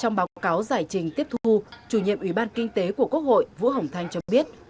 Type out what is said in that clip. giáo giải trình tiếp thu chủ nhiệm ủy ban kinh tế của quốc hội vũ hồng thanh cho biết